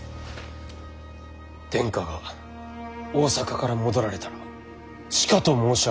殿下が大坂から戻られたらしかと申し上げましょう。